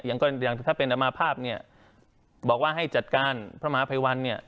อย่างก็อย่างถ้าเป็นอมาภาพเนี่ยบอกว่าให้จัดการพระมหาภัยวันเนี่ย